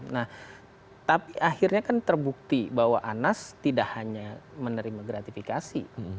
nah tapi akhirnya kan terbukti bahwa anas tidak hanya menerima gratifikasi